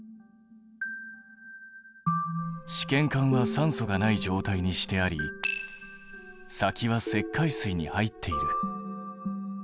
試験管は酸素がない状態にしてあり先は石灰水に入っている。